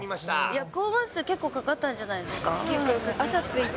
夜行バス、結構かかったんじゃないですか？